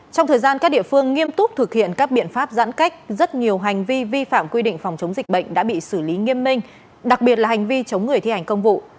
trong thời gian các địa phương nghiêm túc thực hiện các biện pháp giãn cách rất nhiều hành vi vi phạm quy định phòng chống dịch bệnh đã bị xử lý nghiêm minh đặc biệt là hành vi chống người thi hành công vụ